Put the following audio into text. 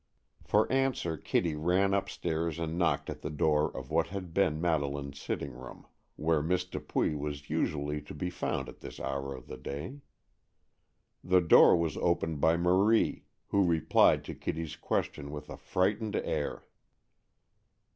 For answer Kitty ran upstairs and knocked at the door of what had been Madeleine's sitting room, where Miss Dupuy was usually to be found at this hour of the day. The door was opened by Marie, who replied to Kitty's question with a frightened air.